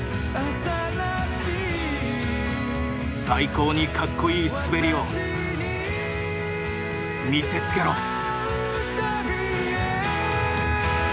最高にカッコいい滑りをみせつけろ。